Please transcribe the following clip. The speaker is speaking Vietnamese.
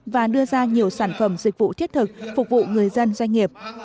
và đưa ra nhiều sản phẩm dịch vụ thiết thực phục vụ người dân doanh nghiệp